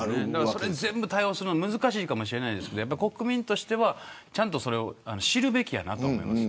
それ全部対応するのは難しいかもしれないですけど国民としては、ちゃんと知るべきやなと思います。